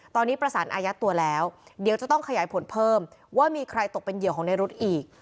ตอนนี้ประสานอายัดตัวแล้วเดี๋ยวจะต้องขยายผลเพิ่มว่ามีใครตกเป็นเหยื่อของในรุ๊ดอีก